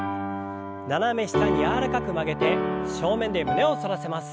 斜め下に柔らかく曲げて正面で胸を反らせます。